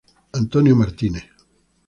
Bill Cody, Jr.